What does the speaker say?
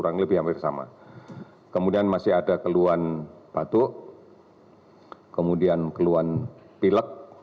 kurang lebih hampir sama kemudian masih ada keluhan batuk kemudian keluhan pilek